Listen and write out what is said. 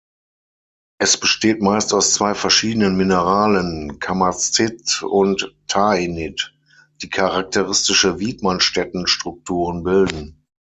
Es besteht meist aus zwei verschiedenen Mineralen, Kamacit und Taenit, die charakteristische Widmanstätten-Strukturen bilden.